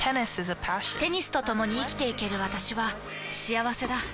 テニスとともに生きていける私は幸せだ。